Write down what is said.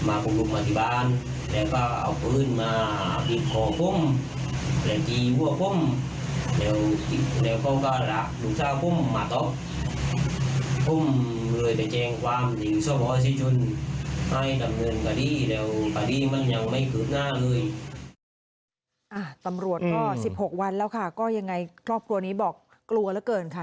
ตำรวจก็๑๖วันแล้วค่ะก็ยังไงครอบครัวนี้บอกกลัวเหลือเกินค่ะ